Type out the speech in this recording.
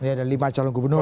ada lima calon gubernur